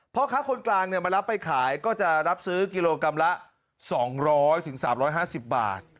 พ่อค้าคนกลางมารับไปขายก็จะรับซื้อกิโลกรัมละ๒๐๐๓๕๐บาท